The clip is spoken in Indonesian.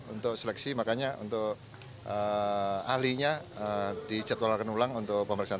untuk seleksi makanya untuk ahlinya dijadwalkan ulang untuk pemeriksaan